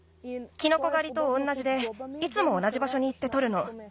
キノコがりとおんなじでいつもおなじばしょにいってとるの。